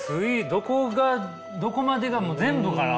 どこがどこまでがもう全部かな。